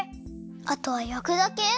あとはやくだけ？